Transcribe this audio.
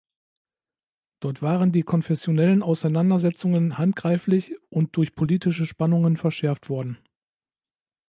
Dort waren die konfessionellen Auseinandersetzungen handgreiflich und durch politische Spannungen verschärft worden.